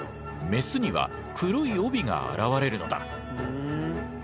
メスには黒い帯が現れるのだ。